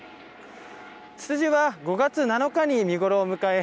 ツツジは５月７日に見頃を迎え